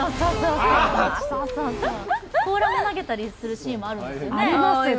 甲羅を投げたりするシーンもあるんですよね。